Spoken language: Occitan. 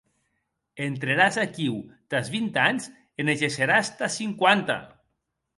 Entraràs aquiu tàs vint ans e gesseràs tàs cinquanta!